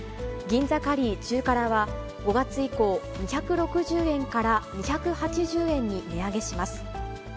銀座カリー中辛は、５月以降、２６０円から２８０円に値上げします。